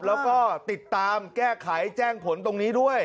แล้วก็ติดตามแก้ไขแจ้งผลตรงนี้ด้วย